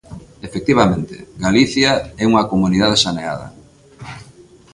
Efectivamente, Galicia é unha comunidade saneada.